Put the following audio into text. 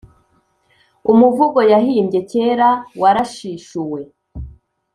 umuvugo yahimbye kera warashishuwe